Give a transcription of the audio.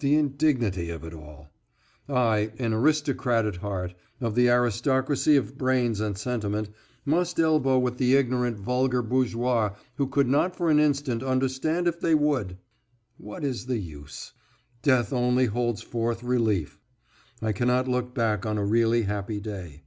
The indignity of it all. I, an aristocrat at heart, of the aristocracy of brains and sentiment, must elbow with the ignorant vulgar bourgeois who could not for an instant understand if they would. What is the use? Death only holds forth relief. I cannot look back on a really happy day.